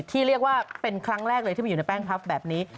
ที่เรียกว่าเป็นครั้งแรกเลยที่มาอยู่ในแป้งพลับแบบนี้